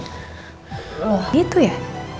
oh gitu ya